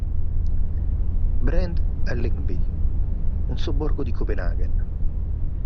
Brand a Lyngby, un sobborgo di Copenaghen.